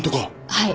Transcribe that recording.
はい。